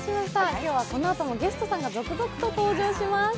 今日はこのあともゲストさんが続々登場します。